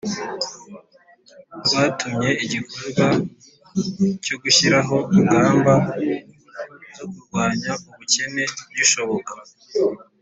rwatumye igikorwa cyo gushyiraho ingamba zo kurwanya ubukene gishoboka